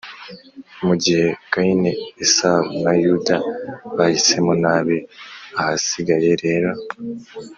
mu gihe Kayini Esawu na Yuda bahisemo nabi Ahasigaye rero